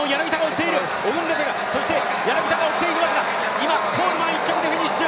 今、コールマン１着でフィニッシュ。